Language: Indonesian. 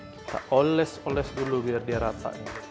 kita oles oles dulu biar dia rata